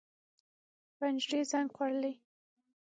پنجرې زنګ خوړلي